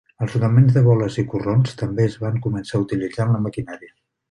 Els rodaments de boles i corrons també es van començar a utilitzar en la maquinària.